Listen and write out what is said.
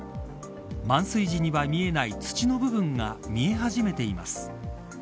満水時には見えない土の部分が見え始めています。